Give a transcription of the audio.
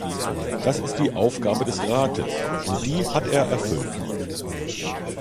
Das ist die Aufgabe des Rates, und die hat er erfüllt.